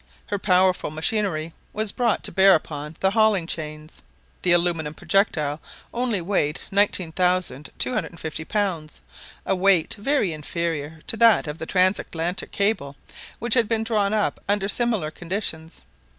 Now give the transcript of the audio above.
Her powerful machinery was brought to bear upon the hauling chains. The aluminum projectile only weighed 19,250 pounds, a weight very inferior to that of the transatlantic cable which had been drawn up under similar conditions.